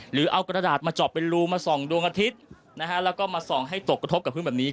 หรือเอากระดาษมาเจาะเป็นรูมาส่องดวงอาทิตย์นะฮะแล้วก็มาส่องให้ตกกระทบกับพื้นแบบนี้